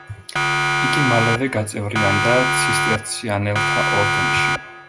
იგი მალევე გაწევრიანდა ცისტერციანელთა ორდენში.